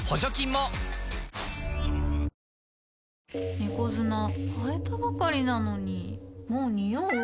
猫砂替えたばかりなのにもうニオう？